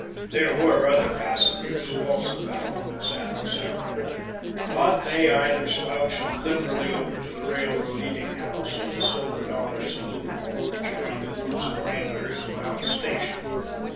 There were other passengers who also got off at San Rosario, but they either slouched limberly over to the railroad eating house or the Silver Dollar saloon, or joined the groups of idlers about the station.